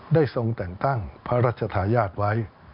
ได้ทรงแต่งตั้งพระราชธาญาติไว้